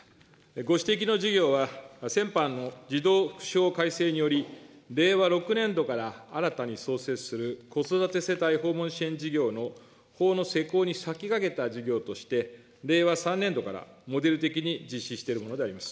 ご指摘の事業は、先般の児童福祉法改正により、令和６年度から新たに創設する子育て世帯訪問支援事業の法の施行に先駆けた事業として令和３年度からモデル的に実施しているものであります。